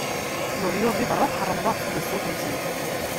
Leḍyur di berra, tḥermeḍ-aɣ di ṣṣut-nsen.